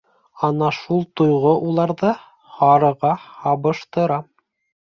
Ана шул тойғо уларҙы һарыға һабыштырған.